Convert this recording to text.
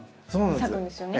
咲くんですよね？